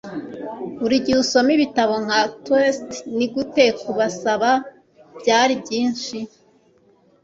buri gihe usome ibitabo nka 'toast - nigute kubasaba', byari byinshi